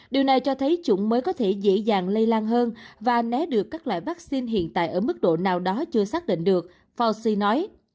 điều này cho thấy chủng mới có thể dễ dàng lây lan hơn và né được các loại vắc xin hiện tại ở mức độ nào đó chưa xác định được fauci nói